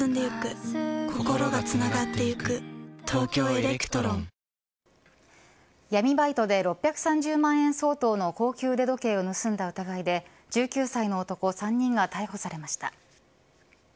アイロボット社はロボット掃除機を闇バイトで６３０万円相当の高級腕時計を盗んだ疑いで１９歳の男３人が逮捕されました。